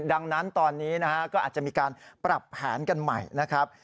ดังนั้นตอนนี้นะฮะก็อาจจะมีการปรับแผนกันใหม่นะครับ